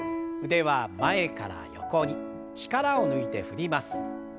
腕は前から横に力を抜いて振ります。